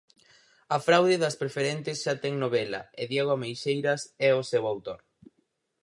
A fraude das preferentes xa ten novela e Diego Ameixeiras é o seu autor.